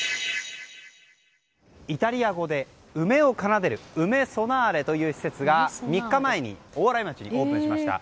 イタリア語で梅を奏でるＵｍｅＳｏｎａｒｅという施設が３日前に大洗町にオープンしました。